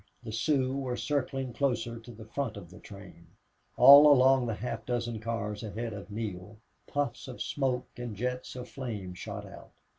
The Sioux were circling closer to the front of the train. All along a half dozen cars ahead of Neale puffs of smoke and jets of flame shot out.